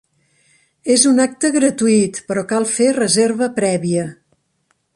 És un acte gratuït, però cal fer reserva prèvia.